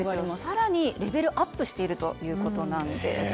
更にレベルアップしているということなんです。